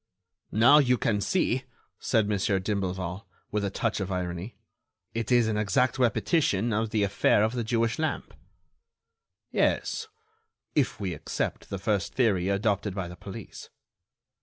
"Now, you can see," said Mon. d'Imblevalle, with a touch of irony, "it is an exact repetition of the affair of the Jewish lamp." "Yes, if we accept the first theory adopted by the police."